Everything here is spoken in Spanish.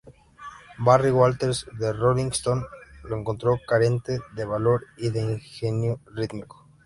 Barry Walters de "Rolling Stone" lo encontró carente de valor y de ingenio rítmico.